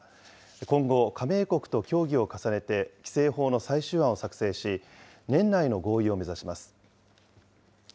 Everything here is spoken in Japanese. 今後、加盟国と協議を重ねて、規制法の最終案を作成し、年内の合意を目指します。